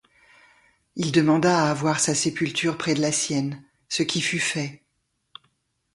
Il demanda à avoir sa sépulture près de la sienne, ce qui fut fait.